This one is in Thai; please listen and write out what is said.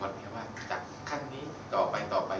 ว่าจากขั้นนี้ต่อไปต่อไป